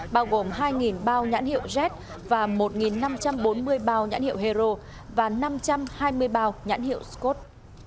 bao gồm hai bao nhãn hiệu z và một năm trăm bốn mươi bao nhãn hiệu hero và năm trăm hai mươi bao nhãn hiệu scott